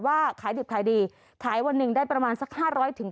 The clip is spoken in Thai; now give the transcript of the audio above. ว่าขายดิบขายดีขายวันหนึ่งได้ประมาณสักห้าร้อยถึง